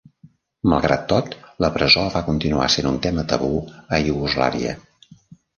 Malgrat tot, la presó va continuar sent un tema tabú a Iugoslàvia.